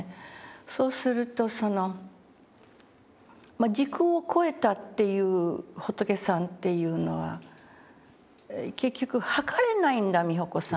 そうすると「時空を超えたという仏さんというのは結局測れないんだ美穂子さん」と。